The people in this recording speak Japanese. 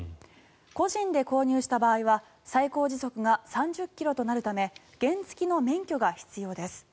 個人で購入した場合は最高時速が３０ｋｍとなるため原付きの免許が必要です。